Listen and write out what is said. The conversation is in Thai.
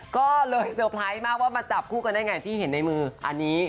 ก็เลยเซอร์ไพรส์มากว่ามาจับคู่กันได้ไงที่เห็นในมืออันนี้